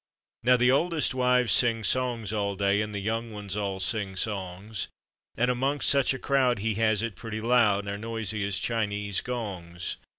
Now, the oldest wives sing songs all day, And the young ones all sing songs; And amongst such a crowd he has it pretty loud, They're as noisy as Chinese gongs.